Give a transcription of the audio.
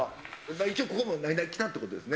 一応、ここもナイナイ来たってことですね。